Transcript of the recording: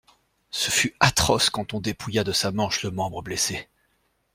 Ce fut atroce quand on dépouilla de sa manche le membre blessé.